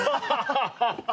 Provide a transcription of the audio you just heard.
ハハハハ。